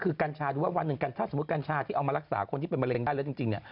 คือกัญชาดูว่าวันหนึ่งกันถ้าสมมุติกัญชาที่เอามารักษาคนที่เป็นมะเร็งได้แล้วจริงเนี่ย